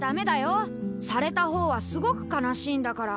された方はすごく悲しいんだから。